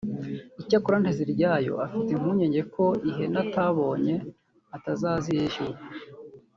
Icyakora Nteziryayo afite impungenge ko ihene atabonye atazazishyurwa